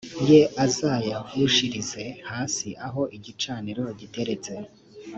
ye azayavushirize hasi aho igicaniro giteretse